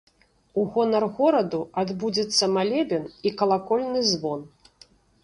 У гонар гораду адбудзецца малебен і калакольны звон.